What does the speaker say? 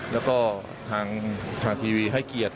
และก็ทางทีวีให้เกียจ